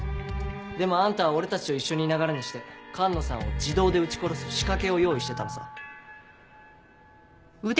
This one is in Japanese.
でもあんたは俺たちと一緒にいながらにして寒野さんを自動で撃ち殺す仕掛けを用意してたのさ。